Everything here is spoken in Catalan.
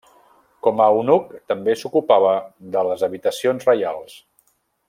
Com a eunuc també s'ocupava de les habitacions reials.